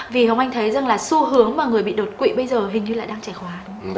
vì hồng anh thấy rằng là xu hướng mà người bị đột quỵ bây giờ hình như lại đang trẻ hóa